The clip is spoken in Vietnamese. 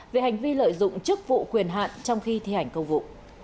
về hành vi lợi dụng chức vụ quyền hạn trong khi thi hành công vụ